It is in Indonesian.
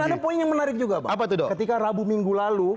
ada poin yang menarik juga pak ketika rabu minggu lalu